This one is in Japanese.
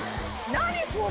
何これ？